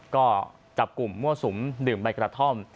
ก็จับกลุ่มมั่วสุมดื่มใบกระท่อม